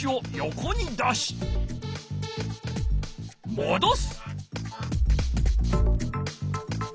もどす。